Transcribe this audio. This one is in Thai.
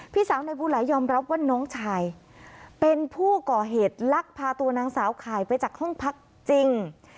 พี่สาวนายบูไหลยอมรับว่าน้องชายเป็นผู้ก่อเหตุลักพาตัวนางสาวข่ายไปจากห้องพักจริง